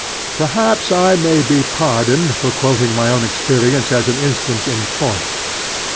Perhaps I may be pardoned for quoting my own experience as an instance in point.